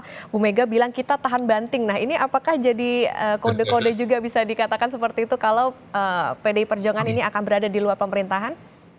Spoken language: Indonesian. ibu mega bilang kita tahan banting nah ini apakah jadi kode kode juga bisa dikatakan seperti itu kalau pdi perjuangan ini akan berada di luar pemerintahan